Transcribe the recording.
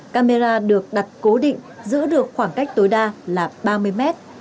camera được đặt cố định giữ được khoảng cách tối đa là ba mươi mét